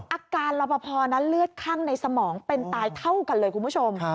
อาการรอปภนั้นเลือดคั่งในสมองเป็นตายเท่ากันเลยคุณผู้ชม